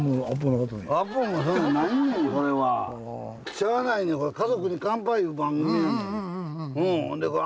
しゃあないねんこれ「家族に乾杯」いう番組やねん。